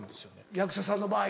役者さんの場合。